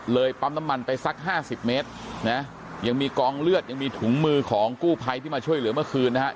ปั๊มน้ำมันไปสักห้าสิบเมตรนะยังมีกองเลือดยังมีถุงมือของกู้ภัยที่มาช่วยเหลือเมื่อคืนนะครับ